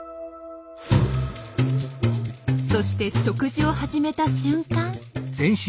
そして食事を始めた瞬間。